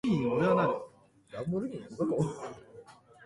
明日も遊びに行きたい